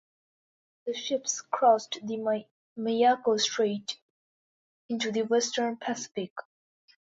The ships crossed the Miyako Strait into the Western Pacific.